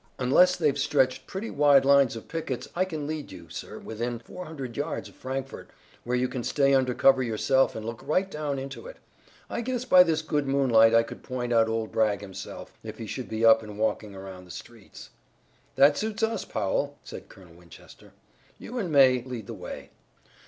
"Unless they've stretched pretty wide lines of pickets I can lead you, sir, within four hundred yards of Frankfort, where you can stay under cover yourself and look right down into it. I guess by this good moonlight I could point out old Bragg himself, if he should be up and walking around the streets." "That suits us, Powell," said Colonel Winchester. "You and May lead the way."